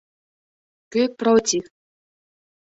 Кӧ против?